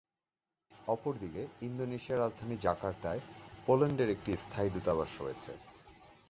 অপরদিকে ইন্দোনেশিয়ার রাজধানী জাকার্তায়, পোল্যান্ডের একটি স্থায়ী দূতাবাস রয়েছে।